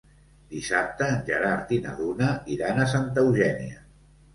Dissabte en Gerard i na Duna iran a Santa Eugènia.